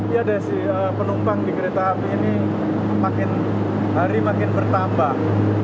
ya desi penumpang di kereta api ini makin hari makin bertambah